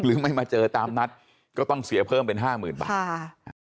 หรือไม่มาเจอตามนัดก็ต้องเสียเพิ่มเป็น๕๐๐๐๐บาท